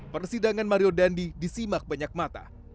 persidangan mario dandi disimak banyak mata